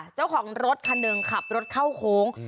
เจ้าของรถคันหนึ่งขับรถเข้าโค้ง